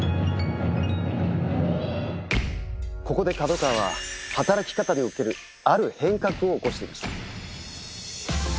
ここでＫＡＤＯＫＡＷＡは働き方におけるある変革を起こしていました。